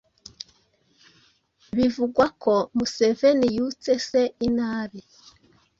Bivugwa ko Museveni yutse se inabi